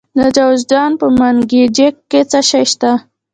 د جوزجان په منګجیک کې څه شی شته؟